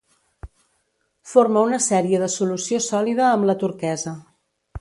Forma una sèrie de solució sòlida amb la turquesa.